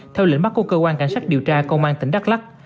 theo lệnh bắt của cơ quan cảnh sát điều tra công an tỉnh đắk lắc